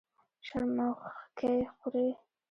شرموښکۍ خوري.